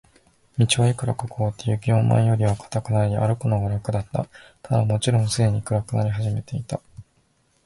道はいくらか凍って、雪も前よりは固くなり、歩くのが楽だった。ただ、もちろんすでに暗くなり始めていた。